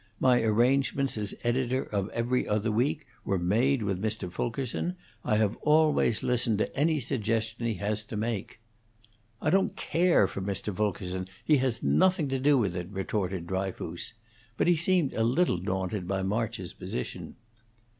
My arrangements as editor of 'Every Other Week' were made with Mr. Fulkerson. I have always listened to any suggestion he has had to make." "I don't care for Mr. Fulkerson! He has nothing to do with it," retorted Dryfoos; but he seemed a little daunted by March's position.